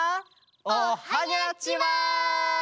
おはにゃちは！